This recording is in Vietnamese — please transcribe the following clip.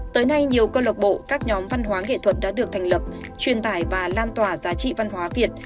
tới nay nhiều cơ lộc bộ các nhóm văn hóa nghệ thuật đã được thành lập truyền tải và lan tỏa giá trị văn hóa việt